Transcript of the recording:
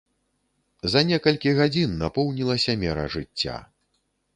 За некалькі гадзін напоўнілася мера жыцця.